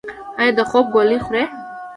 ایا د خوب ګولۍ خورئ؟